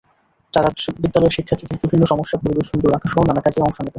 তারা বিদ্যালয়ের শিক্ষার্থীদের বিভিন্ন সমস্যা, পরিবেশ সুন্দর রাখাসহ নানা কাজে অংশ নেবে।